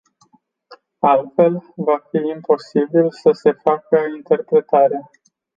Altfel, va fi imposibil să se facă interpretarea.